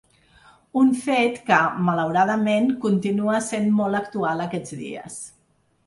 Un fet que, malauradament, continua essent molt actual aquests dies.